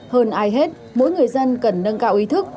hơn ai hết mỗi người dân cần nâng cao ý thức